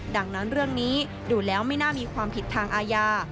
ดังนั้นเรื่องนี้ดูแล้วไม่น่ามีความผิดทางอาญา